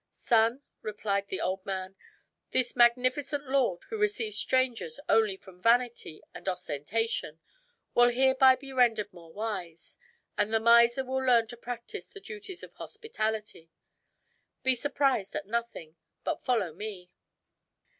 "Son," replied the old man, "this magnificent lord, who receives strangers only from vanity and ostentation, will hereby be rendered more wise; and the miser will learn to practice the duties of hospitality. Be surprised at nothing, but follow me."